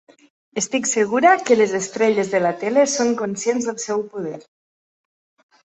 Estic segura que les estrelles de la tele són conscients del seu poder.